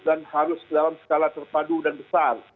dan harus dalam skala terpadu dan besar